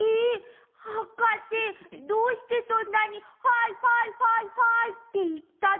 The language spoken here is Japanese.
はかせどうしてそんなに「はいはいはいはい」っていったの？